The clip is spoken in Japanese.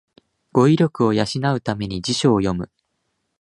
語彙力を養うために辞書を読む